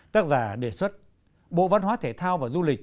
tác giả đề xuất bộ văn hóa thể thao và du lịch